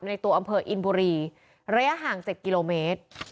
ในตัวอำเภออินบุรีระยะห่าง๗กิโลเมตร